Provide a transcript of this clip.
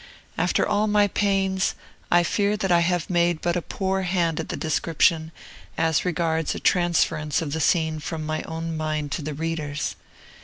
After all my pains, I fear that I have made but a poor hand at the description, as regards a transference of the scene from my own mind to the reader's.